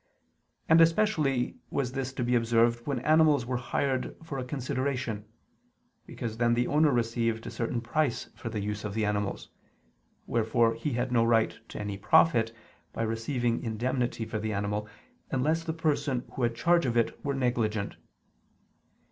And especially was this to be observed when animals were hired for a consideration: because then the owner received a certain price for the use of the animals; wherefore he had no right to any profit, by receiving indemnity for the animal, unless the person who had charge of it were negligent.